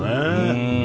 うん。